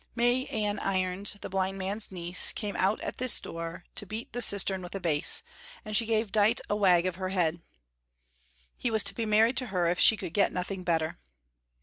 May Ann Irons, the blind man's niece, came out at this door to beat the cistern with a bass, and she gave Dite a wag of her head. He was to be married to her if she could get nothing better.